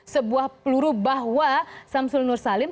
sebuah peluru bahwa syamsul nursalim